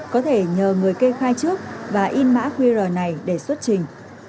có thể nhờ người kê khai trước và in mã qr này để xuất trình